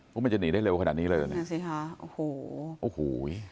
พวกมันจะหนีได้เร็วขนาดนี้เลยนะนั่นสิค่ะโอ้โห